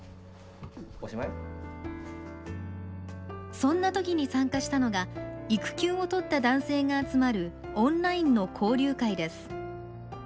そんなときに参加したのが育休を取った男性が集まるオンラインの交流会です。